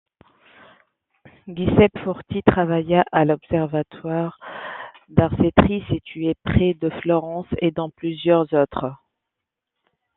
Giuseppe Forti travailla à l'observatoire d'Arcetri situé près de Florence et dans plusieurs autres.